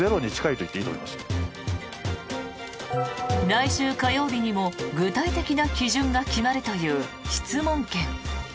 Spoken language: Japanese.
来週火曜日にも具体的な基準が決まるという質問権。